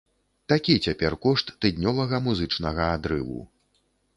Такі цяпер кошт тыднёвага музычнага адрыву.